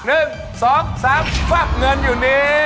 ฟักเงินอยู่นี้